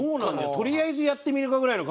とりあえずやってみるかぐらいの感じ。